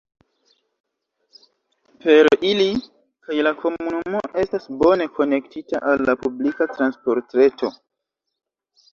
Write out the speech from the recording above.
Per ili kaj la komunumo estas bone konektita al la publika transportreto.